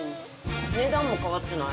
値段も変わってない？